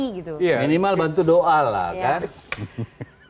minimal bantu doa lah kan